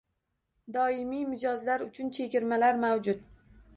Doimiy mijozlar uchun chegirmalar mavjud!